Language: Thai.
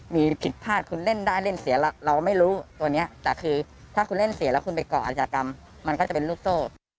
มีผิดพลาดคุณเล่นได้เล่นเสียเราไม่รู้ตัวนี้แต่คือถ้าคุณเล่นเสียแล้วคุณไปก่ออาชญากรรมมันก็จะเป็นลูกโซ่